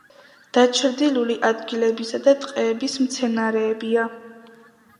დაჩრდილული ადგილებისა და ტყეების მცენარეებია.